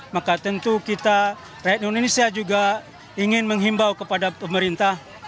maka tentu kita rakyat indonesia juga ingin menghimbau kepada pemerintah